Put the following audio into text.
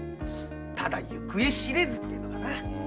ただ行方知れずってのがな。